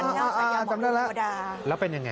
อ๋อจำได้แล้วจำได้แล้วแล้วเป็นอย่างไร